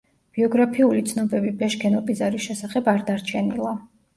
ბიოგრაფიული ცნობები ბეშქენ ოპიზარის შესახებ არ დარჩენილა.